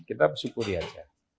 kita bersyukuri aja